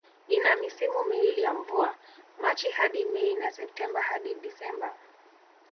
Ina misimu miwili ya mvua, Machi hadi Mei na Septemba hadi Disemba.